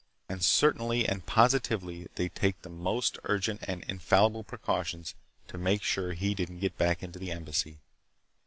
And certainly and positively they'd take the most urgent and infallible precautions to make sure he didn't get back into the Embassy.